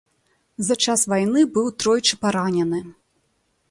За час вайны быў тройчы паранены.